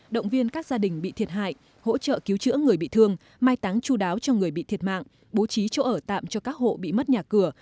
động viên các gia đình bị thiệt hại hỗ trợ cứu chữa người bị thương mai táng chú đáo cho người bị thiệt mạng bố trí chỗ ở tạm cho các hộ bị mất nhà cửa